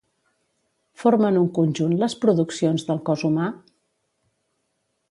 Formen un conjunt, les produccions d'El cos humà?